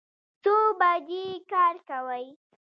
څو بجې کار کوئ؟